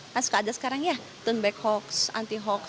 kan suka ada sekarang ya turn back hoax anti hoax